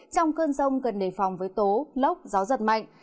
trong cơn rông cần đề phòng với tố lốc gió giật mạnh